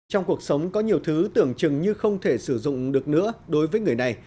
trong cuộc sống có nhiều thứ tưởng chừng như không thể sử dụng được nữa đối với người này